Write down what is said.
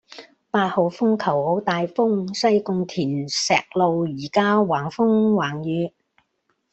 八號風球好大風，西貢田石路依家橫風橫雨